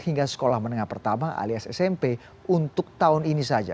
hingga sekolah menengah pertama alias smp untuk tahun ini saja